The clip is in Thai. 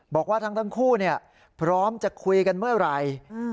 บอกว่าทั้งคู่พร้อมจะคุยกันเมื่อไหร่